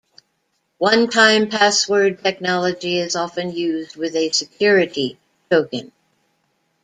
One-time password technology is often used with a security token.